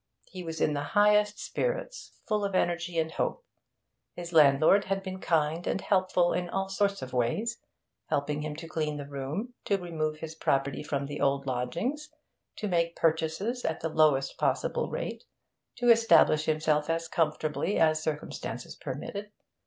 He was in the highest spirits, full of energy and hope. His landlord had been kind and helpful in all sorts of ways, helping him to clean the room, to remove his property from the old lodgings, to make purchases at the lowest possible rate, to establish himself as comfortably as circumstances permitted.